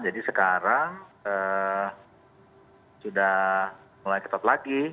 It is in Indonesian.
jadi sekarang sudah mulai ketat lagi